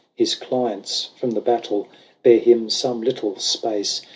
His clients from the battle Bare him some little space.